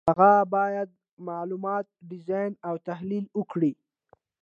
هغه باید معلومات ډیزاین او تحلیل کړي.